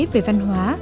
về văn hóa